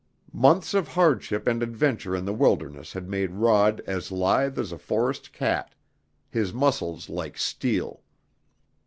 Months of hardship and adventure in the wilderness had made Rod as lithe as a forest cat, his muscles like steel.